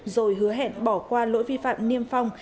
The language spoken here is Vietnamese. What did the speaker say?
rồi hứa hẹn bỏ qua lỗi vi phạm niêm phong